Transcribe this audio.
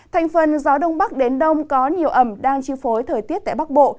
thành phần gió đông bắc đến đông có nhiều ẩm đang chi phối thời tiết tại bắc bộ